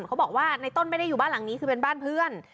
เขาบอกว่าในต้นไม่ได้อยู่บ้านหลังนี้คือเป็นบ้านเพื่อน